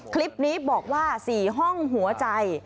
คลิปนี้บอกว่า๔ห้องหัวใจ